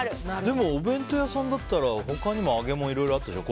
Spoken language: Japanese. でもお弁当屋さんだったら他にもいろいろ揚げ物あったでしょ。